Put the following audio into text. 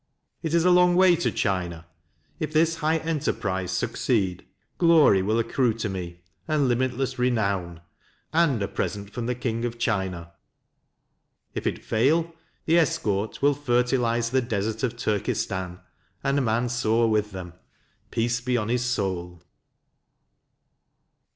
It is a long way to China. If this high enterprise succeed, glory will accrue to me, and limitless renown, and a present from the King of China. If it fail, the escort will fertilize the desert of Turkestan, and Mansur with them, peace be on his soul."